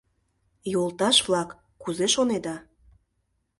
— Йолташ-влак, кузе шонеда?